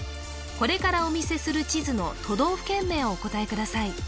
これからお見せする地図の都道府県名をお答えください